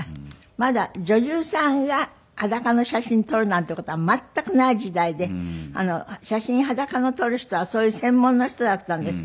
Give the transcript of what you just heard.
まだ女優さんが裸の写真撮るなんていう事は全くない時代で写真裸のを撮る人はそういう専門の人だったんですけど。